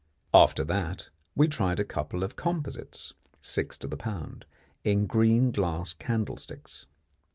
After that we tried a couple of composites (six to the pound) in green glass candlesticks.